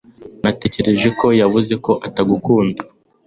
Natekereje ko wavuze ko atagukunda